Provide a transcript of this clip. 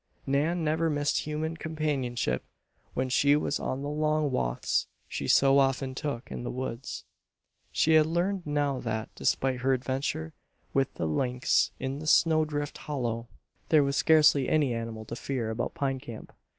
Nan never missed human companionship when she was on the long walks she so often took in the woods. She had learned now that, despite her adventure with the lynx in the snow drifted hollow, there was scarcely any animal to fear about Pine Camp.